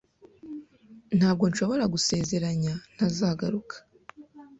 Ntabwo nshobora gusezeranya ntazagaruka.